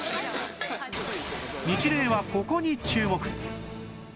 ニチレイはここに注目！